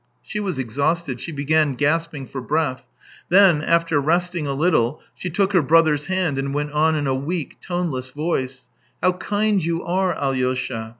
..." She was exhausted, she began gasping for breath. Then, after resting a little, she took her brother's hand and went on in a weak, toneless voice: " How kind you are, Alyosha